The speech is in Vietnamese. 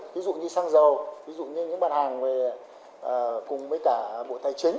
ví dụ như xăng dầu ví dụ như những mặt hàng cùng với cả bộ thái chính